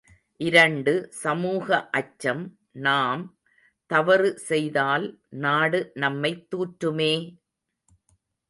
இரண்டு சமூக அச்சம் நாம் தவறு செய்தால் நாடு நம்மைத் தூற்றுமே!